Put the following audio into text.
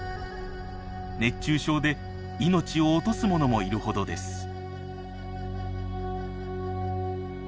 熱中症で命を落とすものもいるほどです。